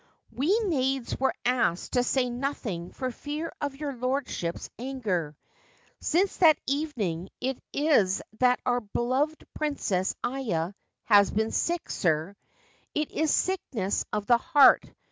We maids were asked to say nothing for fear of your lordship's anger. Since that evening it is that our beloved Princess Aya has been sick, sir. It is sickness of the heart.